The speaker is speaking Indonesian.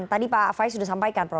tadi pak faiz sudah sampaikan